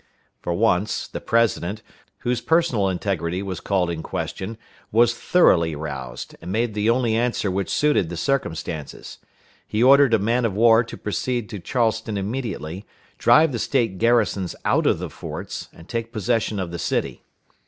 For once, the President, whose personal integrity was called in question, was thoroughly roused, and made the only answer which suited the circumstances. He ordered a man of war to proceed to Charleston immediately, drive the State garrisons out of the forts, and take possession of the city.